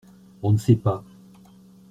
On ne sait pas.